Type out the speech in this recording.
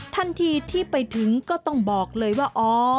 ทันทีที่ไปถึงก็ต้องบอกเลยว่าอ๋อ